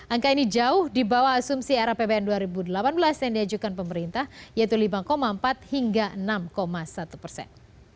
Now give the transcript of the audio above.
angka ini jauh di bawah asumsi rapbn dua ribu delapan belas yang diajukan pemerintah yaitu lima empat hingga enam satu persen